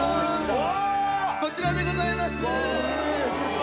こちらでございます。